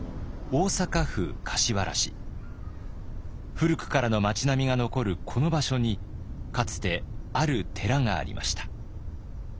古くからの町並みが残るこの場所にかつてある寺がありました。